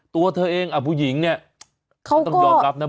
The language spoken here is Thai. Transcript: ตัวเธอเองผู้หญิงเนี่ยเขาต้องยอมรับนะ